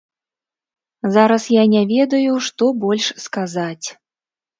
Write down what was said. Зараз я не ведаю што больш сказаць.